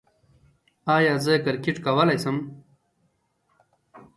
ایا زه کرکټ کولی شم؟